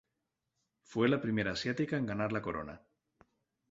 Fue la primera asiática en ganar la corona.